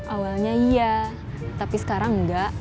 awalnya iya tapi sekarang enggak